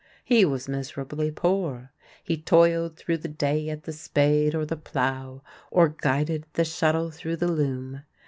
He was miserably poor. He toiled through the day at the spade or the plough, or guided the shuttle through the loom.